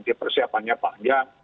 di persiapannya panjang